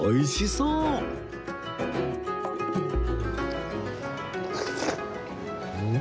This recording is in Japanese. うん。